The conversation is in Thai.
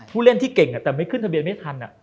เล่นที่เก่งแต่ไม่ขึ้นทะเบียนไม่ทัน